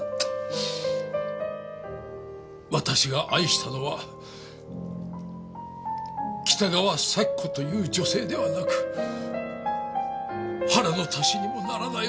私が愛したのは北川サキ子という女性ではなく腹の足しにもならない